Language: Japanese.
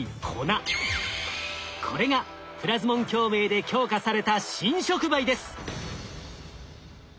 これがプラズモン共鳴で強化された新触媒です。